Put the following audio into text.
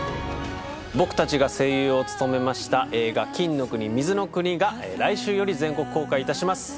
僕たちが声優を務めました映画『金の国水の国』が来週より全国公開いたします。